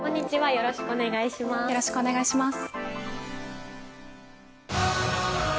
よろしくお願いします。